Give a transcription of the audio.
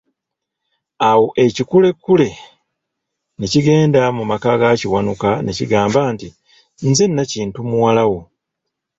Awo ekikulekule ne kigenda mu maka ga Kiwankuka ne kigamba nti, nze Nakintu muwala wo.